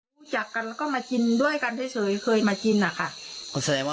พูดจากกันแล้วก็มากินด้วยกันเท่าเคยมากินอะค่ะ